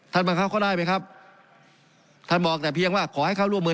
บังคับเขาได้ไหมครับท่านบอกแต่เพียงว่าขอให้เขาร่วมมือ